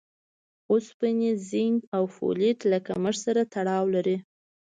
اوسپنې، زېنک او فولېټ له کمښت سره تړاو لري.